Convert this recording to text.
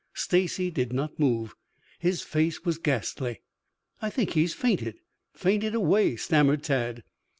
Stacy did not move. His face was ghastly. "I think he has fainted fainted away," stammered Tad.